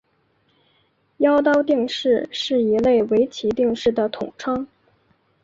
妖刀定式是一类围棋定式的统称。